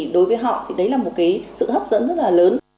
đối với họ đấy là một sự hấp dẫn rất là lớn